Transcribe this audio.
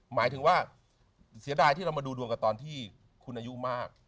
หมายถึงว่าเสียดายที่เรามาดูดวงกันตอนที่คุณอายุมาก